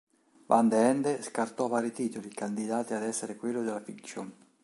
Van de Ende scartò vari titoli "candidati" ad essere quello della fiction.